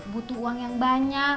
butuh uang yang banyak